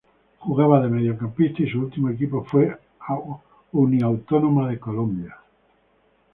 Jugaba de mediocampista y su último equipo fue Uniautónoma de Colombia.